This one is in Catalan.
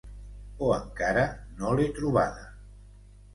O encara no l'he trobada.